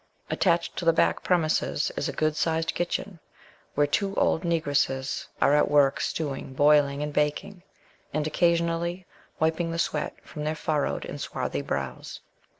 Attached to the back premises is a good sized kitchen, where two old Negresses are at work, stewing, boiling, and baking, and occasionally wiping the sweat from their furrowed and swarthy brows.